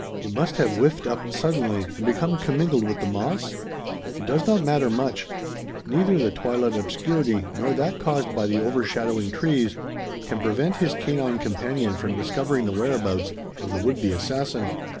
It must have whiffed up suddenly, and become commingled with the moss? It does not matter much. Neither the twilight obscurity, nor that caused by the overshadowing trees, can prevent his canine companion from discovering the whereabouts of the would be assassin.